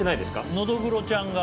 ノドグロちゃんが。